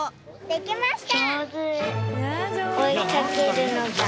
できました！